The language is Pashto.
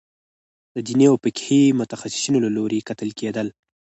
د دیني او فقهي متخصصینو له لوري کتل کېدل.